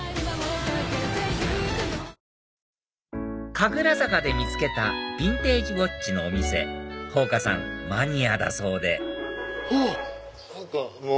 神楽坂で見つけたビンテージウオッチのお店ほうかさんマニアだそうであっ！